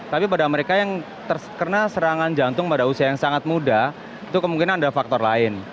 tapi pada mereka yang terkena serangan jantung pada usia yang sangat muda itu kemungkinan ada faktor lain